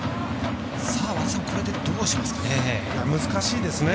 これでどうしますかね。